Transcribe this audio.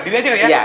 diri aja ya